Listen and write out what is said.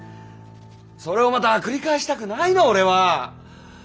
それをまた繰り返したくないの俺は。